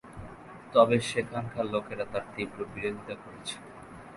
তবে সেখানকার লোকেরা তার তীব্র বিরোধিতা করেছিল।